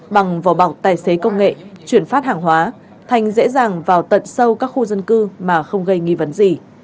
bằng vỏ bọc tài xế công nghệ chuyển phát hàng hóa thành dễ dàng vào tận sâu các khu dân cư mà không gây nghi vấn gì